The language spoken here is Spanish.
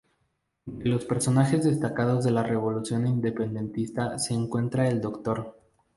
Entre los personajes destacados de la revolución independentista se encuentran el Dr.